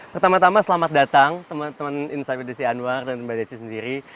pertama tama selamat datang teman teman insight with desi anwar dan mbak desi sendiri